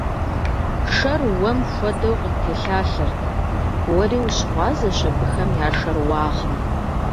Шэр уэм хуэдэу къыттелъалъэрт: уэри ущыгъуазэщ абыхэм я шэрыуагъым!